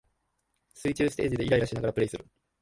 水中ステージでイライラしながらプレイする